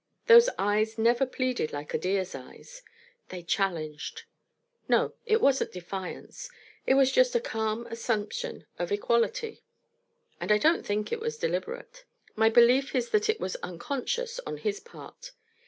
Those eyes never pleaded like a deer's eyes. They challenged. No, it wasn't defiance. It was just a calm assumption of equality. And I don't think it was deliberate. My belief is that it was unconscious on his part.